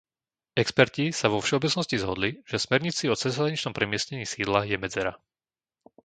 Experti sa vo všeobecnosti zhodli, že v smernici o cezhraničnom premiestnení sídla je medzera.